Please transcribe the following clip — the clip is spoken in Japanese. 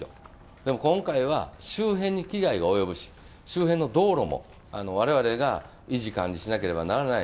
でも今回は、周辺に危害が及ぶし、周辺の道路もわれわれが維持・管理しなければならない。